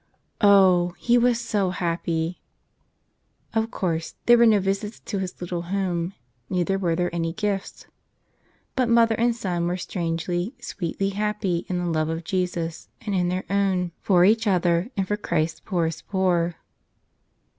Oh, he was so happy! Of course, there were no visits to his little home, neither were there any gifts. But mother and son were strangely, sweetly happy in the love of Jesus and in their own — for each other and for Christ's poorest poor.